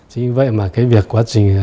chính vì vậy mà cái việc quá trình